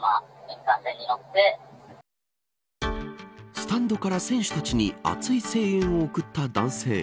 スタンドから選手たちに熱い声援を送った男性。